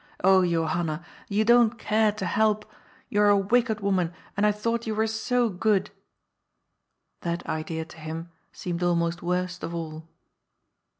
Ohy Johanna, you don't care to help. You are a wicked woman, and I thought you were so good." That idea to him seemed almost worst of all.